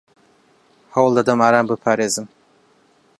ھەوڵ دەدەم ئاران بپارێزم.